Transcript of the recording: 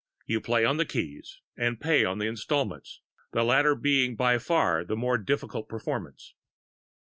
You play on the keys and pay on the installments the latter being by far the more difficult performance.